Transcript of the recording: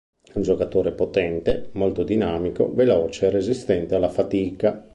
È un giocatore potente, molto dinamico, veloce e resistente alla fatica.